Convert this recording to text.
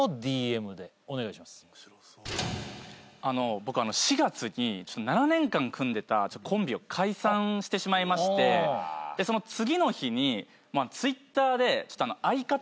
僕４月に７年間組んでたコンビを解散してしまいましてその次の日にＴｗｉｔｔｅｒで相方探してます